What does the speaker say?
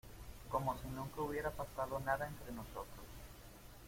como si nunca hubiera pasado nada entre nosotros.